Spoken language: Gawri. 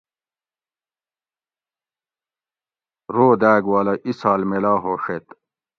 رو داۤگ والہ اِسال میلا ہوڛیت